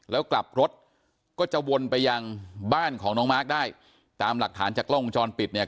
แล้วกลับรถก็จะวนไปยังบ้านของน้องมาร์คได้ตามหลักฐานจากกล้องวงจรปิดเนี่ย